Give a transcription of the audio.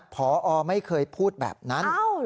พอไม่เคยพูดแบบนั้น